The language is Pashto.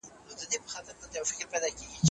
زما د اوښکې ـ اوښکې ژوند يوه حصه راوړې